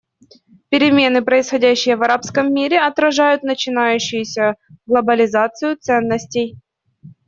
Перемены, происходящие в арабском мире, отражают начинающуюся глобализацию ценностей.